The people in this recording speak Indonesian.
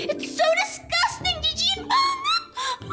it's so disgusting jijikin banget